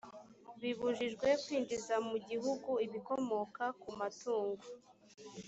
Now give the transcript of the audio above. bibujijwe kwinjiza mu gihugu ibikomoka ku matungo